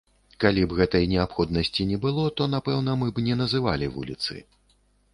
Калі б гэтай неабходнасці не было, то, напэўна, мы б не называлі вуліцы.